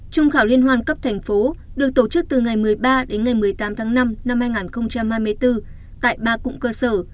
trung khảo liên hoàn cấp thành phố được tổ chức từ ngày một mươi ba đến ngày một mươi tám tháng năm năm hai nghìn hai mươi bốn tại ba cụm cơ sở